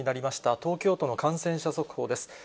東京都の感染者速報です。